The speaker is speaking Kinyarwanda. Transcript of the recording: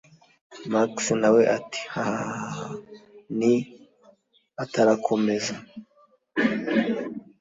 max nawe ati: hahaha! ni…….. atarakomeza,